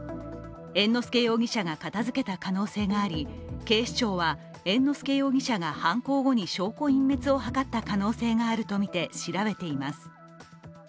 猿之助容疑者が片付けた可能性があり、警視庁は猿之助容疑者が犯行後に証拠隠滅を図った可能性があるとみて調べています。